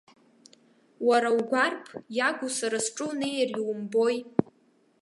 Уара угәарԥ иагу сара сҿы унеир иумбои.